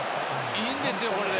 いいんですよ、これで。